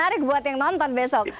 menarik buat yang nonton besok